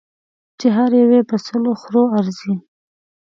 چې هر یو یې په سلو خرو ارزي.